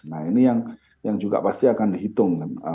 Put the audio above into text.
nah ini yang juga pasti akan dihitung